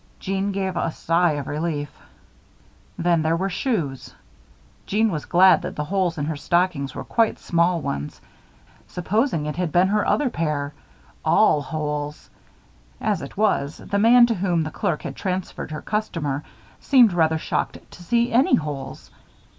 Jeanne gave a sigh of relief. Then there were shoes. Jeanne was glad that the holes in her stockings were quite small ones. Supposing it had been her other pair! All holes! As it was, the man to whom the clerk had transferred her customer seemed rather shocked to see any holes.